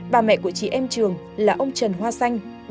bà mẹ của chị em trường là ông trần hoa xanh